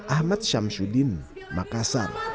ahmad syamsuddin makassar